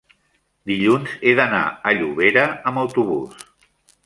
dilluns he d'anar a Llobera amb autobús.